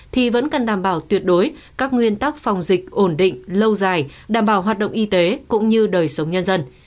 thì vẫn cần đảm bảo tuyệt đối các nguyên tắc phòng dịch ổn định lâu dài đảm bảo hoạt động y tế cũng như đời sống nhân dân